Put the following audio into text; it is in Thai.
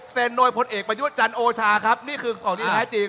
เซ็นนโนยพลเอกประยุรติจันโชชาครับนี่คือส่วนที่แท้จริง